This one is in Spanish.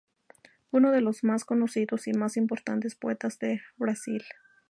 Es uno de los más conocidos y más importantes poetas de Brasil.